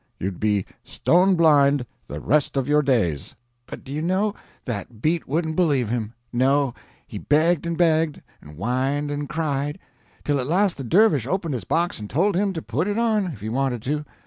You'd be stone blind the rest of your days." But do you know that beat wouldn't believe him. No, he begged and begged, and whined and cried, till at last the dervish opened his box and told him to put it on, if he wanted to.